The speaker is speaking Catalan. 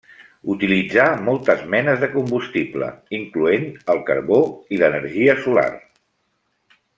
Utilitzà moltes menes de combustible incloent el carbó i l'energia solar.